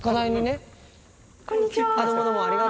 こんにちは。